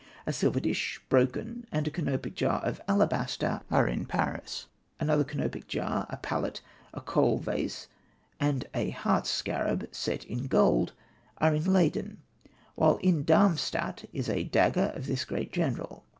A silver dish, broken, and a canopic jar of alabaster, are in Paris ; another canopic jar, a palette, a kohl vase, and a heart scarab set in gold, are in Ley den ; while in Darmstadt is the dagger of this great general.